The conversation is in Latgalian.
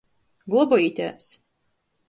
Globojitēs!